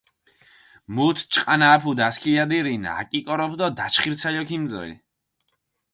მუთ ჭყანა აფუდჷ ასქილადირინ, აკიკოროფჷ დო დაჩხირცალო ქიმწოლჷ.